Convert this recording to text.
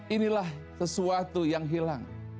inilah sesuatu yang hilang